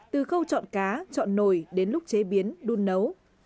từ khâu chọn cá chọn nồi đến lúc chế biến đun nấu